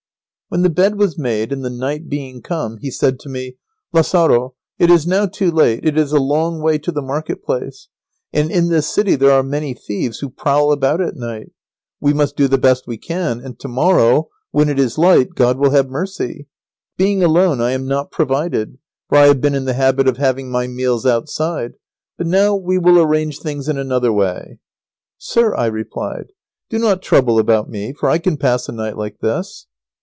When the bed was made, and the night being come, he said to me: "Lazaro, it is now too late, it is a long way to the market place, and in this city there are many thieves who prowl about at night. We must do the best we can, and to morrow, when it is light, God will have mercy. Being alone I am not provided, for I have been in the habit of having my meals outside, but now we will arrange things in another way." [Sidenote: The esquire's apology for no supper. His philosophical view of starvation.] "Sir," I replied, "do not trouble about me, for I can pass a night like this."